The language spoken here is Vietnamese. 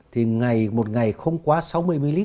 thì một ngày không quá sáu mươi ml